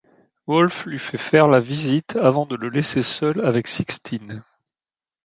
Wolfe lui fait faire la visite avant de le laisser seul avec Sixtine.